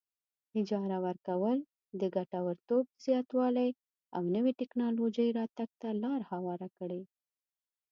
اجاره ورکول د ګټورتوب زیاتوالي او نوې ټیکنالوجۍ راتګ ته لار هواره کړي.